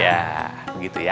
ya begitu ya